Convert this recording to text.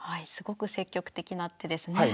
すごく積極的な手ですね。